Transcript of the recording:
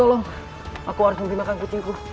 tolong aku harus membiarkan kucingku